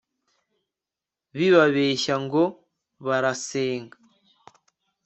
bibabeshya ngo barasenga